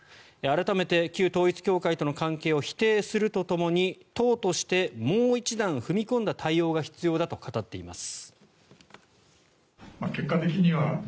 改めて旧統一教会との関係を否定するとともに党としてもう一段踏み込んだ対応が必要だと語っています。